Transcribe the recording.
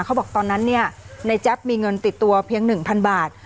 เขาบอกตอนนั้นเนี่ยในแจ๊บมีเงินติดตัวเพียง๑๐๐๐บาท